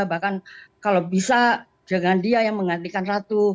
bahkan kalau bisa dengan dia yang mengantikan ratu